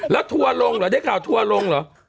แล้วทัวล่งหรือได้ข่าวทัวล่งหรือ